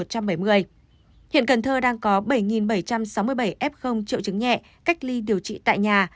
hiện cần thơ đang có bảy bảy trăm sáu mươi bảy f triệu chứng nhẹ cách ly điều trị tại nhà